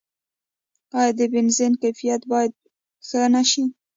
آیا د بنزین کیفیت باید ښه نشي؟